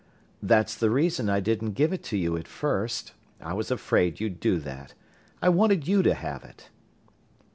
"That's the reason I didn't give it to you at first I was afraid you'd do that. I wanted you to have it."